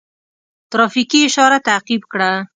ترافیکي اشاره تعقیب کړه.